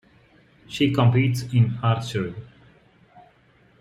She competes in archery.